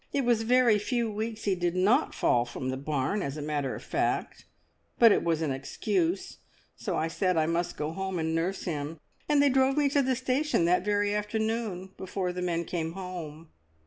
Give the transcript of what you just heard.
It was very few weeks he did not fall from the barn, as a matter of fact, but it was an excuse, so I said I must go home and nurse him, and they drove me to the station that very afternoon before the men came home."